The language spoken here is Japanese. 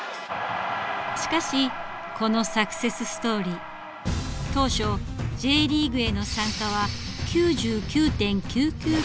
しかしこのサクセスストーリー当初Ｊリーグへの参加は９９．９９９９％不可能といわれた。